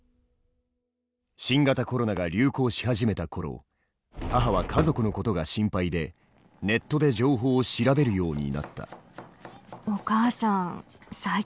新型コロナが流行し始めた頃母は家族のことが心配でネットで情報を調べるようになった。